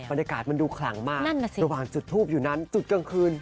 บรรยากาศมันดูขลังมากระหว่างจุดทูปอยู่นั้นจุดกลางคืน